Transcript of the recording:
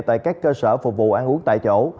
tại các cơ sở phục vụ ăn uống tại chỗ